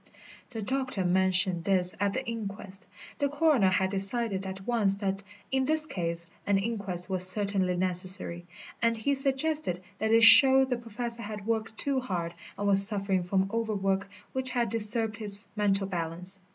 The doctor mentioned this at the inquest the coroner had decided at once that in this case an inquest was certainly necessary and he suggested that it showed the Professor had worked too hard and was suffering from overwork which had disturbed his mental balance.